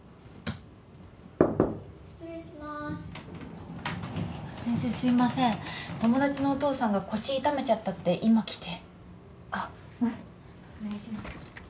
失礼します先生すいません友達のお父さんが腰痛めちゃったって今来てあっうんお願いします